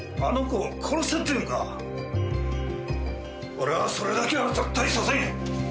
俺はそれだけは絶対させん。